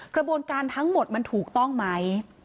กระบวนการทั้งหมดมันถูกต้องไหม